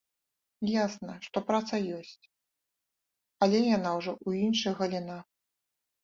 Ясна, што праца ёсць, але яна ўжо ў іншых галінах.